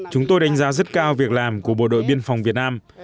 chúng tôi đánh giá rất cao việc làm của bộ đội biên phòng việt nam